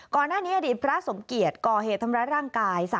ก่อนหน้านี้อดีตพระสมเกียจก่อเหตุทำร้ายร่างกาย